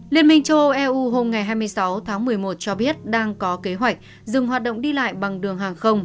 liên minh châu âu eu hôm hai mươi sáu tháng một mươi một cho biết đang có kế hoạch dừng hoạt động đi lại bằng đường hàng không